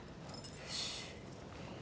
よし。